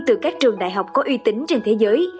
từ các trường đại học có uy tín trên thế giới